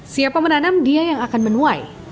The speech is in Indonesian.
siapa menanam dia yang akan menuai